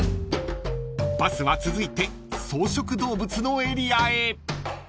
［バスは続いて草食動物のエリアへ］